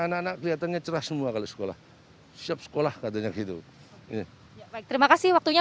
anak anak kelihatannya cerah semua kalau sekolah siap sekolah katanya gitu terima kasih waktunya